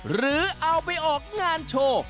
หรือเอาไปออกงานโชว์